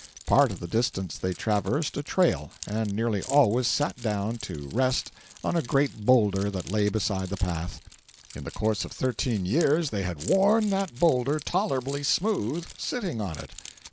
Part of the distance they traversed a trail, and nearly always sat down to rest on a great boulder that lay beside the path. In the course of thirteen years they had worn that boulder tolerably smooth, sitting on it.